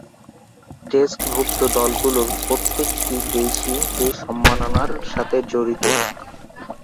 টেস্টভূক্ত দলগুলোর প্রত্যেকটি দেশই এ সম্মাননার সাথে জড়িত।